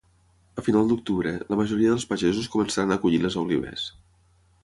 A final d’octubre, la majoria dels pagesos començaran a collir les olives.